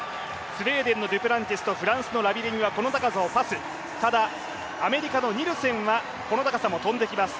スウェーデンのデュプランティスとフランスのラビレニはこの高さをパス、ただアメリカのニルセンはこの高さも跳んできます。